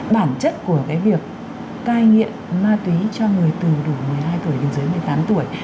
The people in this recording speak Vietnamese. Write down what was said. bản chất của cái việc cai nghiện ma túy cho người từ đủ một mươi hai tuổi đến dưới một mươi tám tuổi